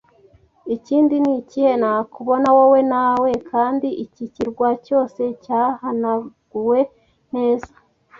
ikindi ni ikihe, nakubona wowe na we kandi iki kirwa cyose cyahanaguwe neza